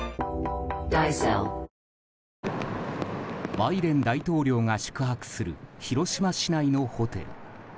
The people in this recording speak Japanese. バイデン大統領が宿泊する広島市内のホテル。